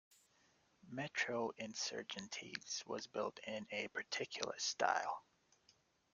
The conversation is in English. Metro Insurgentes was built in a particular style.